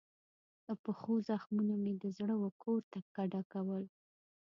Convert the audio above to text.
د پښو زخمونو مې د زړه وکور ته کډه کول